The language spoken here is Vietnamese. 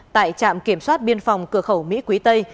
tại trạm kiểm soát biên phòng cửa khẩu mỹ quý tây